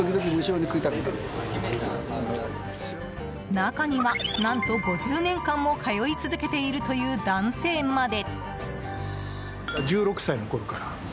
中には、何と５０年間も通い続けているという男性まで。